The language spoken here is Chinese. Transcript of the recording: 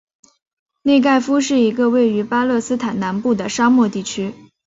内盖夫是一个位于巴勒斯坦南部的沙漠地区。